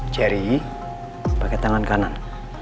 jerry pakai tangan kanan